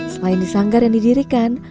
selain di sanggar yang didirikan